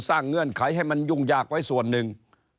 เงื่อนไขให้มันยุ่งยากไว้ส่วนหนึ่ง